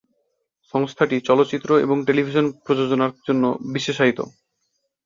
সংস্থাটি চলচ্চিত্র এবং টেলিভিশন প্রযোজনার জন্য বিশেষায়িত।